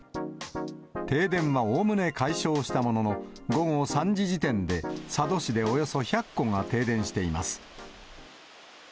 停電はおおむね解消したものの、午後３時時点で佐渡市でおよそ１００戸が停電しています。